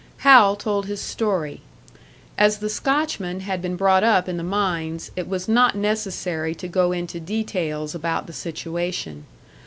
Hal told his story. As the Scotchman had been brought up in the mines, it was not necessary to go into details about the situation.